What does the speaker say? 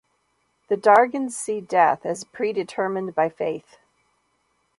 The Dargins see death as predetermined by faith.